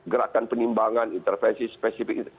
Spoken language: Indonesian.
gerakan penimbangan intervensi spesifik